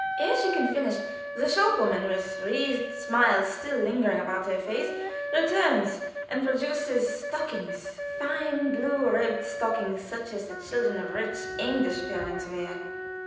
Ere she can finish, the shop woman with wreathed smiles still lingering about her face, returns and produces stockings fine, blue ribbed stockings, such as the children of rich English parents wear.